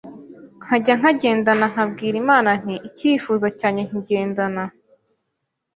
nkajya nkagendana nkabwira Imana nti icyifuzo cyanjye nkigendana